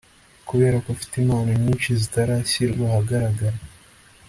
Kuberako ufite impano nyinshi zitarashyirwa ahagaragara